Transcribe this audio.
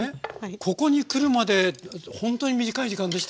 ここにくるまでほんとに短い時間でしたよね？